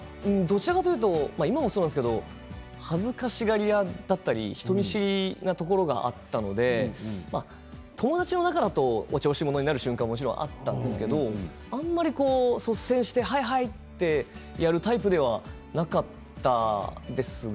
今でもそうなんですけど恥ずかしがり屋だったり人見知りなところがあったので友達の中だとお調子者になる瞬間はもちろんあったんですけれど率先してやるタイプではなかったですね。